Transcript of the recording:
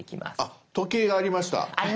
時計がありました。